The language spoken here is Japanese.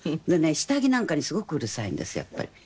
下着なんかにすごくうるさいんですやっぱり。